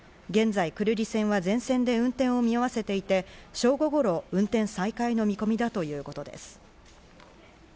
現在、久留里線は全線で運転を見合わせていて正午頃、運転再開の見込みだということです。